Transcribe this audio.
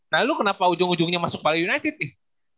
nah lu kenapa ujung ujungnya masuk pali united nih